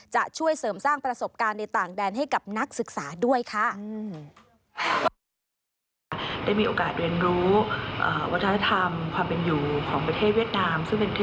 จะช่วยเสริมสร้างประสบการณ์ในต่างแดนให้กับนักศึกษาด้วยค่ะ